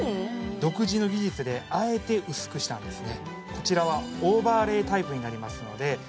独自の技術であえて薄くしたんですね